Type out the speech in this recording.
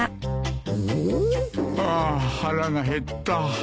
あはらが減った。